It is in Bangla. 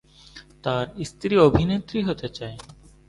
তার স্ত্রী অভিনেত্রী হতে চায়।